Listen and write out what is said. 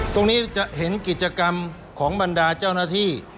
ตรงนี้จะเห็นกิจกรรมของบรรดาเจ้าหน้าที่